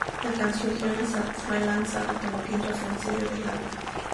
La canción fue lanzada como quinto sencillo del álbum.